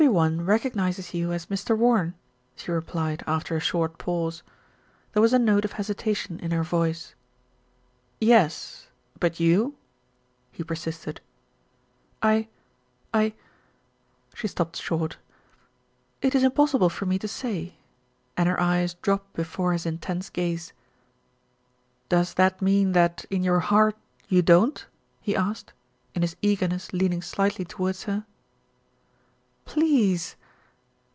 "Every one recognises you as Mr. Warren," she re plied, after a short pause. There was a note of hesi tation in her voice. "Yes; but you?" he persisted. "I I " She stopped short. "It is impossible for me to say," and her eyes dropped before his intense gaze. "Does that mean that in your heart you don't?" he asked, in his eagerness leaning slightly towards her. "Pleeeeeeeeease